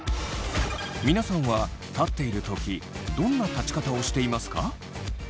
皆さんは立っている時どんな立ち方をしていますか？